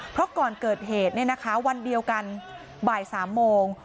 เพราะก่อนเกิดเหตุวันเดียวกันบ่าย๓โมง